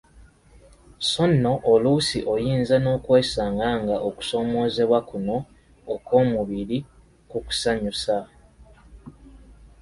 So nno oluusi oyinza nokwesanga nga okusoomoozebwa kuno okw'omubiri kukusanyusa.